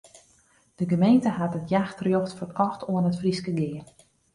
De gemeente hat it jachtrjocht ferkocht oan it Fryske Gea.